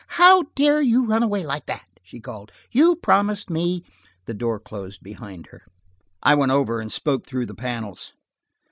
"How dare you run away like that?" she called. "You promised me–" The door closed behind her. I went over and spoke through the panels.